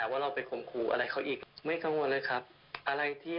มันเกิดขึ้นจริงไหมพี่